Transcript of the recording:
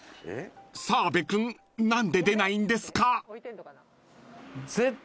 ［澤部君何で出ないんですか？］